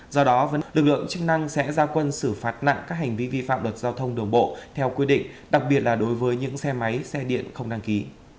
do đó lực lượng chức năng sẽ ra quân xử phạt nặng các hành vi vi phạm luật giao thông đường bộ theo quy định đặc biệt là đối với những xe máy xe điện không đăng ký